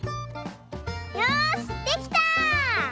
よしできた！